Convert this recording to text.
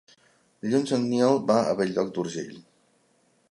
Dilluns en Nil va a Bell-lloc d'Urgell.